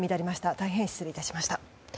大変失礼いたしました。